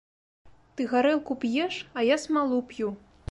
Ты гарэлку п'еш, а я смалу п'ю.